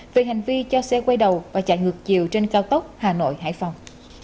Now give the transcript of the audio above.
về hành vi cho xe quay đầu và chạy ngược chiều trên cao tốc hà nội hải phòng